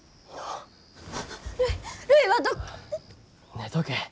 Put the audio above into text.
寝とけ。